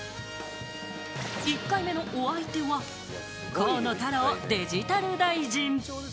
１回目のお相手は、河野太郎デジタル大臣。